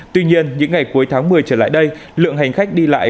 tuy nhiên những ngày cuối tháng một mươi trở lại đây lượng hành khách đi lại